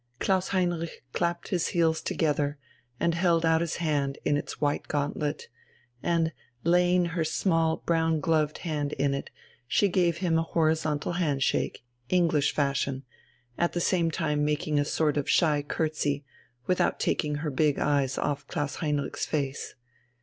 Klaus Heinrich clapped his heels together and held out his hand in its white gauntlet, and, laying her small brown gloved hand in it, she gave him a horizontal hand shake, English fashion, at the same time making a sort of shy curtsey, without taking her big eyes off Klaus Heinrich's face.